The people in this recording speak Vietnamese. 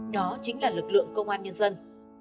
đó chính là lực lượng công an nhân dân